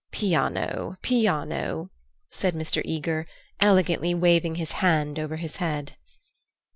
"Piano! piano!" said Mr. Eager, elegantly waving his hand over his head.